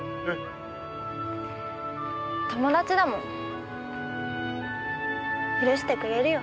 友達だもん許してくれるよ。